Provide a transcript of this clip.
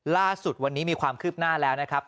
ล่าสุดวันนี้มีความคืบหน้าแล้วนะครับ